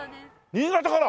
新潟から！？